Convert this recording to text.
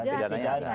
pidana juga ada